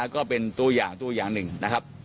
ก็เป็นตัวอย่างตัวอย่างหนึ่งนะครับ